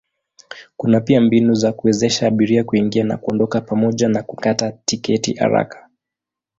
Kuna pia mbinu za kuwezesha abiria kuingia na kuondoka pamoja na kukata tiketi haraka.